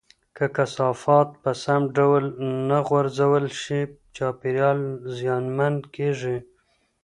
که کثافات په سم ډول نه غورځول شي، چاپیریال زیانمن کېږي.